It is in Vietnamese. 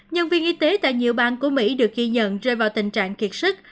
nhân viên y tế tại nhiều bang của mỹ được ghi nhận rơi vào tình trạng kiệt sức